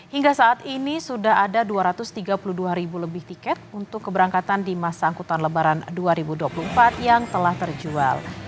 hingga saat ini sudah ada dua ratus tiga puluh dua ribu lebih tiket untuk keberangkatan di masa angkutan lebaran dua ribu dua puluh empat yang telah terjual